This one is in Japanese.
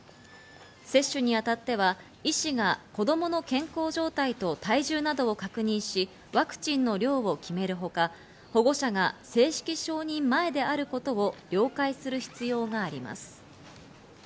接種にあたっては医師が子供の健康状態と体重などを確認し、ワクチンの量を決めるほか、保護者が正式承認前であることを了解する必要があります。